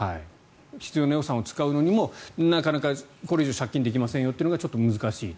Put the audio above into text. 必要な予算を使うのにもなかなかこれ以上借金できませんというのがちょっと難しいと。